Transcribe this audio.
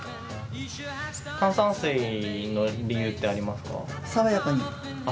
炭酸水の理由ってありますか？